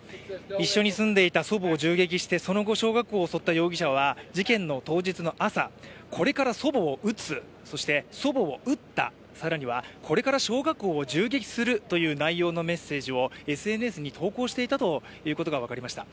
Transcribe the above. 一緒に住んでいた祖母を銃撃してその後、小学校を襲った容疑者は事件の当日の朝、これから祖母を撃つ、そして祖母を撃った、更にはこれから小学校を銃撃するという内容のメッセージをＳＮＳに投稿していたということが分かりました。